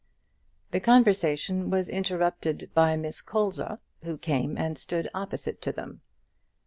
The conversation was interrupted by Miss Colza, who came and stood opposite to them.